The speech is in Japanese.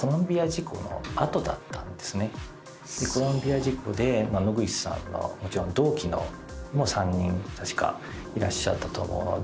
コロンビア事故で野口さんの同期も３人確かいらっしゃったと思うので。